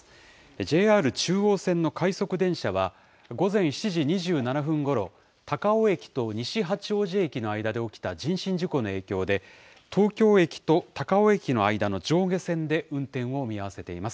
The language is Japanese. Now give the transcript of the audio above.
ＪＲ中央線の快速電車は、午前７時２７分ごろ、高尾駅と西八王子駅の間で起きた人身事故の影響で、東京駅と高尾駅の間の上下線で運転を見合わせています。